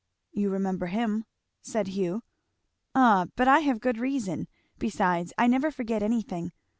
"You remember him," said Hugh. "Ah but I have good reason. Besides I never forget anything.